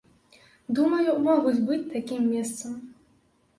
Думаю, могуць быць такім месцам.